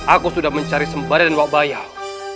aku sudah mencari sembarangan wabayam